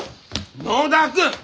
野田君！